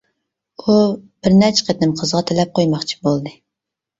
ئۇ بىرنەچچە قېتىم قىزغا تەلەپ قويماقچى بولدى.